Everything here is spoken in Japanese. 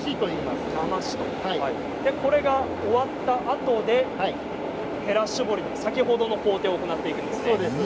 それが終わるとへら絞りの先ほどの工程を行っていくんですね。